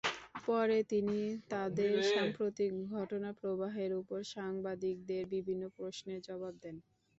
পরে তিনি দেশের সাম্প্রতিক ঘটনাপ্রবাহের ওপর সাংবাদিকদের বিভিন্ন প্রশ্নের জবাব দেন।